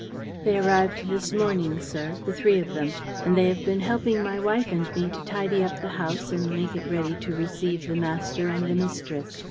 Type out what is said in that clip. "They arrived this morning, sir, the three of them; and they have been helping my wife and me to tidy up the house and make it ready to receive the master and the mistress."